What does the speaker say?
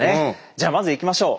じゃあまずいきましょう。